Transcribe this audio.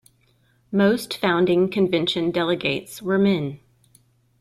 Most founding convention delegates were men.